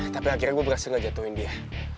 tapi akhirnya gue berhasil gak jatuhin dia